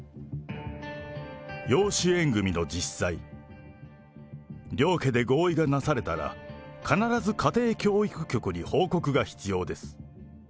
養子縁組の実際、両家で合意がなされたら、必ず家庭教育局に報告が必要です。